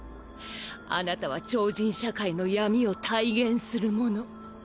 あなたは超人社会の闇を体現する者。